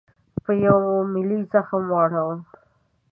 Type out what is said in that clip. په یوه ملي زخم واړاوه.